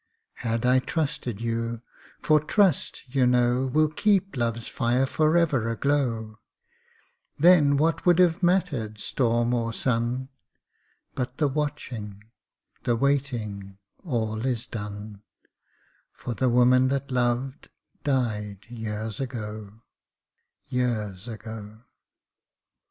Had I trusted you for trust, you know Will keep love's fire forever aglow; Then what would have mattered storm or sun, But the watching the waiting, all is done; For the woman that loved, died years ago, Years ago.